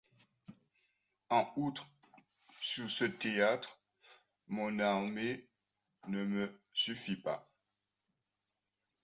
En outre sur ce théâtre mon armée ne me suffit pas.